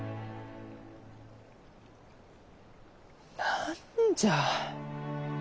何じゃあ。